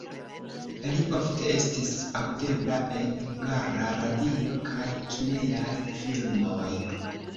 Li ofte estis aŭdebla en Hungara Radio kaj kinejaj filmoj.